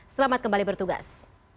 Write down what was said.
selamat kembali bertugas